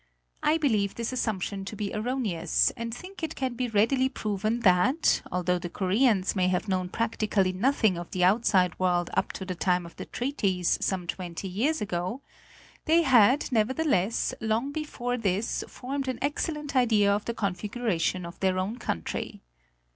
I believe this assumption to be erroneous and think it can be readily proven that, although the Koreans may have known practically nothing of the outside world up to the time of the treaties, some twenty years ago, they had, never theless, long before this formed an excellent idea of the configu ration of their own country.